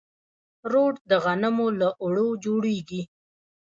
روټ د غنمو له اوړو جوړیږي.